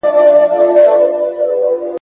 چي فرنګ ته یادوي د امان توره ,